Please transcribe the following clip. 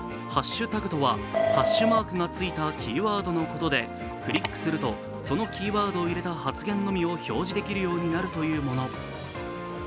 ハッシュタグとは「＃」がついたキーワードのことでクリックすると、そのキーワードを入れた発言のみを表示できるようになるというもの。